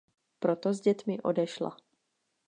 Proto s dětmi odešla.